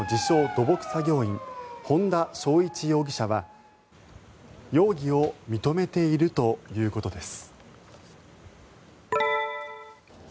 ・土木作業員本田昭一容疑者は容疑を認めているということです。